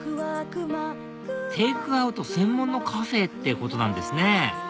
テイクアウト専門のカフェってことなんですね